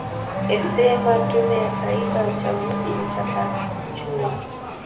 esema tume ya taifa ya uchaguzi imechakachua